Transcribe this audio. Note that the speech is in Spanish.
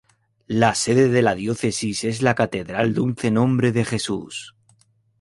La sede de la Diócesis es la Catedral Dulce Nombre de Jesús.